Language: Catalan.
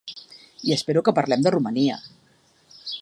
I espero que parlem de Romania.